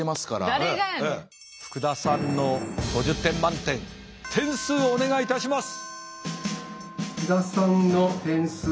福田さんの５０点満点点数お願いいたします！